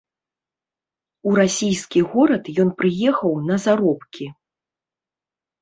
У расійскі горад ён прыехаў на заробкі.